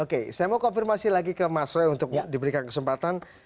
oke saya mau konfirmasi lagi ke mas roy untuk diberikan kesempatan